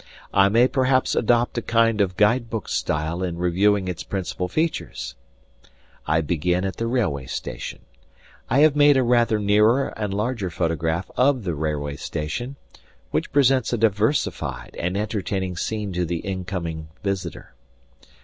I may perhaps adopt a kind of guide book style in reviewing its principal features: I begin at the railway station. I have made a rather nearer and larger photograph of the railway station, which presents a diversified and entertaining scene to the incoming visitor.